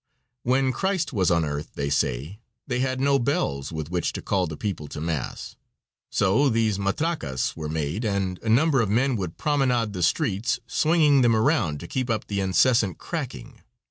When Christ was on earth, they say, they had no bells with which to call the people to mass, so these matracas were made, and a number of men would promenade the streets, swinging them around to keep up the incessant cracking.